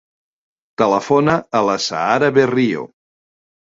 Telefona a l'Azahara Berrio.